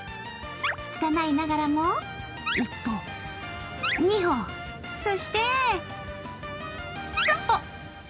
つたないながらも１歩、２保、そして３歩。